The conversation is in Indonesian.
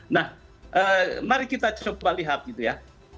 nah mari kita coba lihat gitu ya